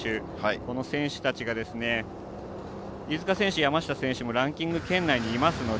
この選手たちが飯塚選手、山下選手もランキング圏内にいます。